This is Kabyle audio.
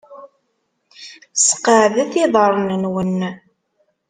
Sqeɛdet iḍarren-nwen.